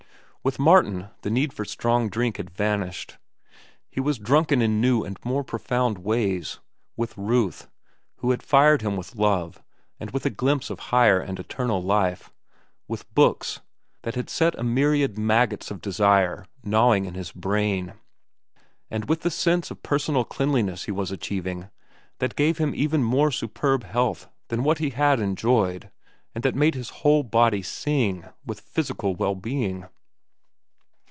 With Martin the need for strong drink had vanished. He was drunken in new and more profound ways—with Ruth, who had fired him with love and with a glimpse of higher and eternal life; with books, that had set a myriad maggots of desire gnawing in his brain; and with the sense of personal cleanliness he was achieving, that gave him even more superb health than what he had enjoyed and that made his whole body sing with physical well being.